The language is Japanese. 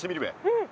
うん。